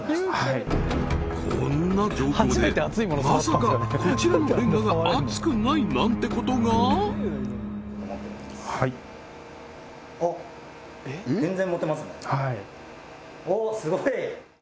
こんな状況でまさかこちらのレンガが熱くないなんてことがはいおっすごい！